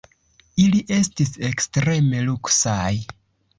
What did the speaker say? Ili estis ekstreme luksaj.